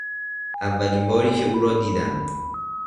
اولین باری که او را دیدم